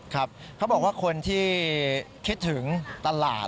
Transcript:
ครับเขาบอกว่าคนที่คิดถึงตลาด